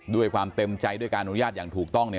ด้วยความเต็มใจด้วยการอนุญาตอย่างถูกต้อง